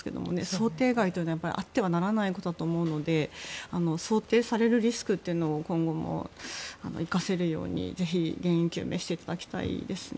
想定外というのはあってはならないことだと思うので想定されるリスクというのを今後も生かせるようにぜひ、原因究明していただきたいですね。